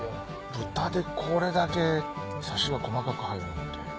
豚でこれだけサシが細かく入るのって。